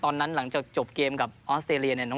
หลังจากจบเกมกับออสเตรเลียเนี่ย